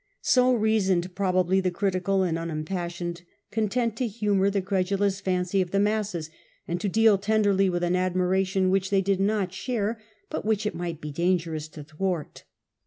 So reasoned probably the critical and unimpassioned, content to humour the credulous fancy of the masses, and to deal tenderly with an admiration which they did not share, but which it might be dangerous to thwart.